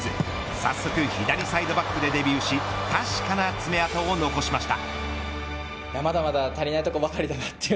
早速左サイドバックでデビューし確かな爪痕を残しました。